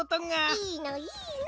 いいのいいの。